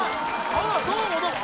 あらどうもどうも。